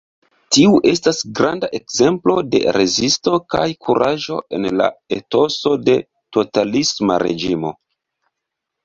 Tiu estas granda ekzemplo de rezisto kaj kuraĝo en la etoso de totalisma reĝimo.